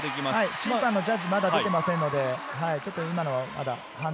審判のジャッジはまだ出ていません。